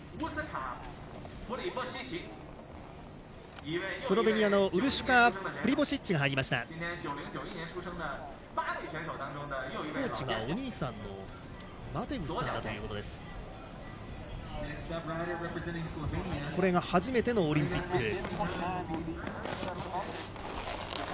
これが初めてのオリンピック。